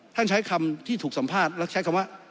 ใช้คำที่ถูกสัมภาษณ์แล้วใช้คำว่า